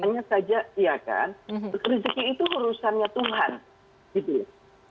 hanya saja iya kan rezeki itu urusannya tuhan gitu ya